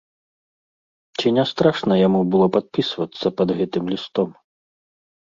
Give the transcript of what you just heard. Ці не страшна яму было падпісвацца пад гэтым лістом?